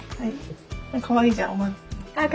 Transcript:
かわいいじゃん。